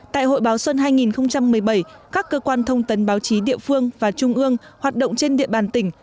tại hội báo xuân hai nghìn một mươi bảy các cơ quan thông tấn báo chí địa phương và trung ương hoạt động trên địa bàn tỉnh